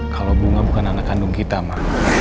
kalau bunga bukan anak kandung kita mah